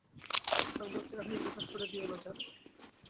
এ সংবাদটি এখনই প্রকাশ করে দিও না যেন।